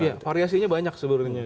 ya variasinya banyak sebenarnya